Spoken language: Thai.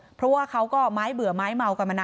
แต่ไม่มีใครคาดคิดไงคะว่าเหตุการณ์มันจะบานปลายรุนแรงแบบนี้